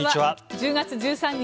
１０月１３日